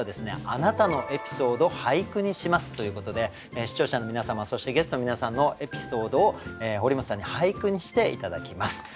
「あなたのエピソード、俳句にします」ということで視聴者の皆様そしてゲストの皆さんのエピソードを堀本さんに俳句にして頂きます。